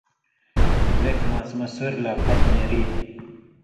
لیٙکھہۡ ماسُمہۡ سُوریۡ لا پھت نېری۔